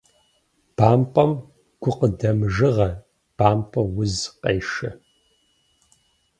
Бампӏэм гукъыдэмыжыгъэ, бампӏэ уз къешэ.